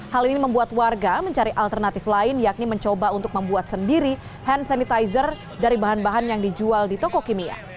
hal ini membuat warga mencari alternatif lain yakni mencoba untuk membuat sendiri hand sanitizer dari bahan bahan yang dijual di toko kimia